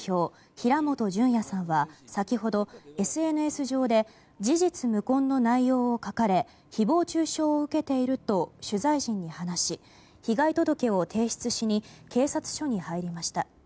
平本淳也さんは先ほどＳＮＳ上で事実無根の内容を書かれ誹謗中傷を受けていると取材陣に話し被害届を提出しに警察署に入りました。